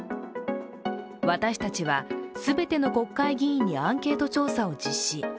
私たちは、全ての国会議員にアンケート調査を実施。